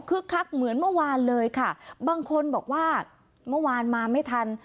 คักเหมือนเมื่อวานเลยค่ะบางคนบอกว่าเมื่อวานมาไม่ทัน